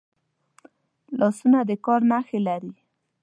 لاسونه د کار نښې لري